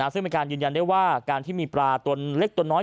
ซึ่งเป็นการยืนยันได้ว่าการที่มีปลาตัวเล็กตัวน้อย